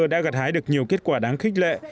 đã gặt hái được nhiều kết quả đáng khích lệ